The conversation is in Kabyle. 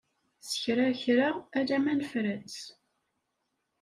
S kra kra alamma nefra-tt.